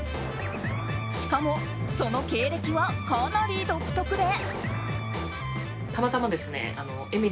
しかも、その経歴はかなり独特で。